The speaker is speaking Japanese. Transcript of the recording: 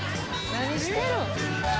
何してるん？